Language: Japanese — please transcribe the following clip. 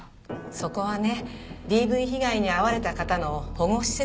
そこはねＤＶ被害に遭われた方の保護施設です。